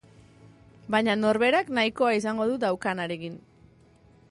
Baina norberak nahikoa izango du daukanarekin.